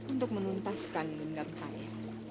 untuk menuntaskan dendam saya